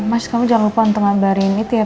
mas kamu jangan lupa untuk ngabarin itu ya